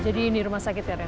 jadi ini rumah sakit ya ren